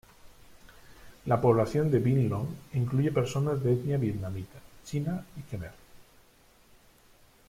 La población de Vinh Long incluye personas de etnia vietnamita, china y khmer.